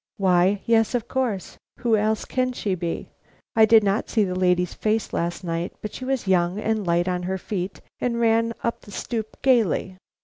"Why, yes, of course. Who else can she be? I did not see the lady's face last night, but she was young and light on her feet, and ran up the stoop gaily."